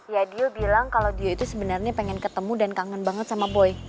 ya dia bilang kalau dia itu sebenarnya pengen ketemu dan kangen banget sama boy